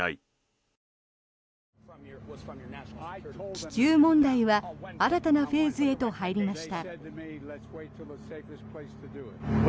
気球問題は新たなフェーズへと入りました。